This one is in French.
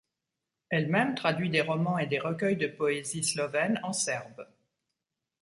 Elle-même traduit des romans et des recueils de poésie slovènes en serbe.